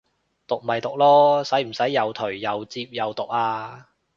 毒咪毒囉，使唔使又頹又摺又毒啊